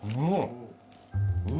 うわ。